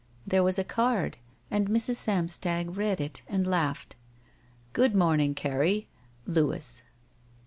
There was a card, and Mrs. Samstag read it and laughed : Good morning, Carrie. Louis.